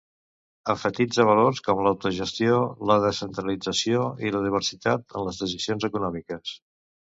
Emfatitza valors com l'autogestió, la descentralització i la diversitat en les decisions econòmiques.